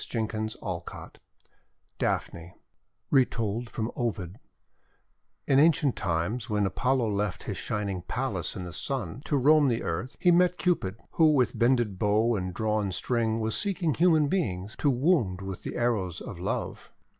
DAPHNE 333 DAPHNE Retold from Ovid IN ancient times, when Apollo left his Shining Palace in the Sun, to roam the earth, he met Cupid, who with bended bow and drawn string was seeking human beings to wound with the arrows of love.